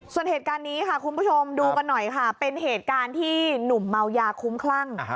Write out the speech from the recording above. ส่วนเหตุการณ์นี้ค่ะคุณผู้ชมดูกันหน่อยค่ะเป็นเหตุการณ์ที่หนุ่มเมายาคุ้มคลั่ง